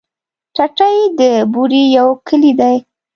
ټټۍ د بوري يو کلی دی.